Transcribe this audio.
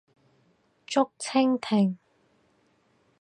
竹蜻蜓